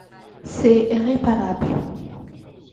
C'est irréparable.